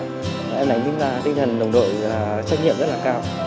em thấy chính là tinh thần đồng đội trách nhiệm rất là cao